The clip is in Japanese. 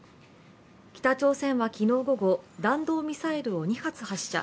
北朝鮮は昨日午後弾道ミサイルを２発発射。